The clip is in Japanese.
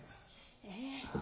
ええ。